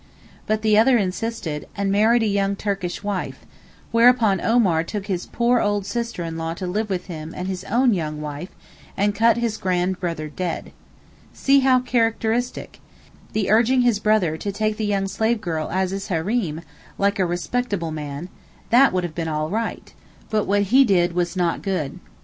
But the other insisted, and married a young Turkish wife; whereupon Omar took his poor old sister in law to live with him and his own young wife, and cut his grand brother dead. See how characteristic!—the urging his brother to take the young slave girl 'as his Hareem,' like a respectable man—that would have been all right; but what he did was 'not good.